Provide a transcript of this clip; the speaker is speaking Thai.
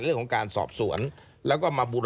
ยากครับ